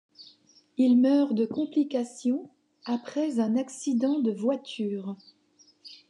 Il meurt de complications après un accident de voiture.